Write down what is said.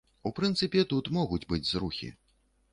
У прынцыпе, тут могуць быць зрухі.